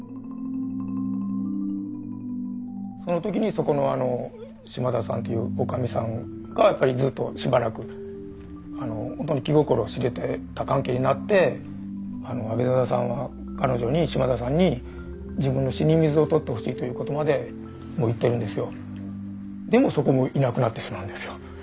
その時にそこの島田さんという女将さんがやっぱりずっとしばらくほんとに気心知れてた関係になって阿部定さんは彼女に島田さんにということまでも言ってるんですよ。